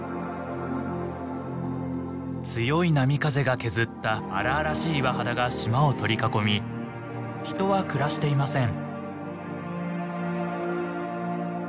強い波風が削った荒々しい岩肌が島を取り囲み人は暮らしていません。